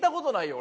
俺。